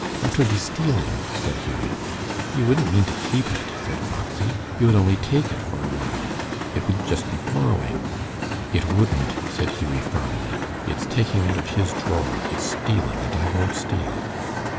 "That would be stealing," said Hughie. "You wouldn't mean to keep it," said Foxy. "You would only take it for a while. It would just be borrowing." "It wouldn't," said Hughie, firmly. "It's taking out of his drawer. It's stealing, and I won't steal."